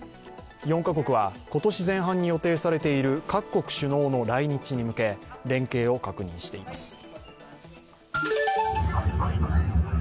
４カ国は今年前半に予定されている各国首脳の来日に向け連携を確認しています。